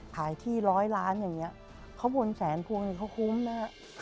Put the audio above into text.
ถ่ายที่ร้อยล้านอย่างนี้เขาบนแสนพวงเขาคุ้มนะ